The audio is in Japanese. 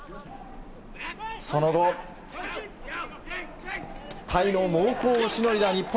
その後、タイの猛攻をしのいだ日本。